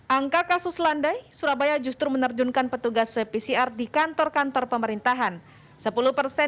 angka kasus landai surabaya justru menerjunkan petugas web pcr di kantor kantor pemerintahan